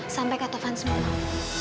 sampai kak taufan semangat